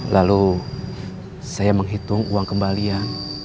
lalu saya menghitung uang kembalian